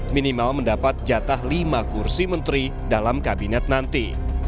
minimal mendapat jatah lima kursi menteri dalam kabinet nanti